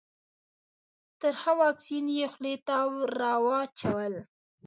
ترخه واکسین یې خولې ته راواچول.